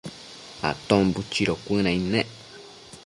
Aton buchido cuënaid nec